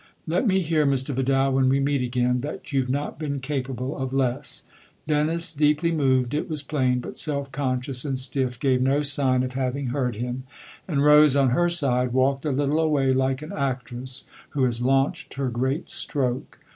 Let me hear, Mr. Vidal, when we meet again, that you've not been capable of less !" Dennis, deeply THE OTHER HOUSE 209 moved, it was plain, but self conscious and stiff, gave no sign of having heard him ; and Rose, on her side, walked a little away like an actress who has launched her great stroke.